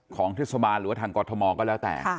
ของเทศบาลหรือว่าทางกรทมก็แล้วแต่